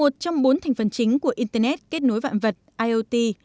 trong bốn thành phần chính của internet kết nối vạn vật iot